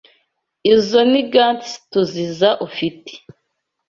Izo ni gants TUZIza ufite.